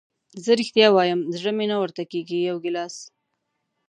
زه رښتیا وایم زړه مې نه ورته کېږي، یو ګیلاس.